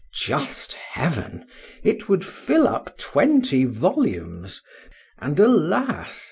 — Just heaven!—it would fill up twenty volumes;—and alas!